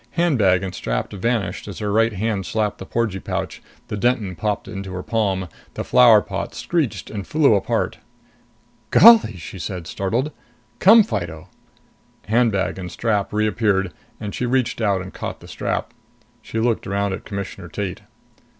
Handbag and strap vanished, as her right hand slapped the porgee pouch. The Denton popped into her palm. The flower pot screeched and flew apart. "Golly!" she said, startled. "Come, Fido!" Handbag and strap reappeared and she reached out and caught the strap. She looked around at Commissioner Tate.